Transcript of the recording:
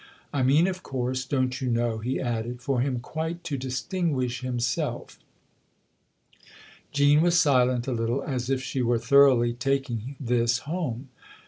I mean, of course, don't you know," he added, " for him quite to distinguish him self." Jean was silent a little, as if she were thoroughly taking this home.